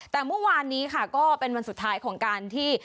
แต่เมื่อวานนี้ค่ะก็เป็นวันสุดท้ายของการที่